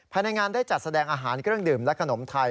ภายในงานได้จัดแสดงอาหารเครื่องดื่มและขนมไทย